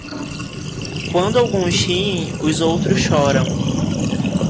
Quando alguns riem, os outros choram.